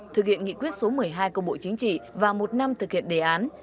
thực hiện nghị quyết số một mươi hai của bộ chính trị và một năm thực hiện đề án